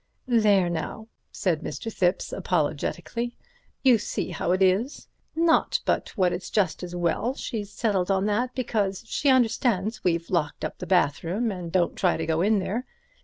"There now," said Mr. Thipps apologetically, "you see how it is. Not but what it's just as well she's settled on that, because she understands we've locked up the bathroom and don't try to go in there.